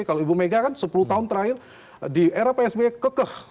kalau ibu mega kan sepuluh tahun terakhir di era psb kekeh